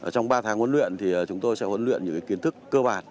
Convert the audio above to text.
trong ba tháng huấn luyện thì chúng tôi sẽ huấn luyện những kiến thức cơ bản